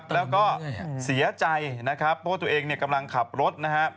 แล้วก็เสียใจพวกตัวเองกำลังขับรถ